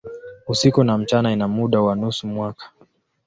Usiku na mchana ina muda wa nusu mwaka.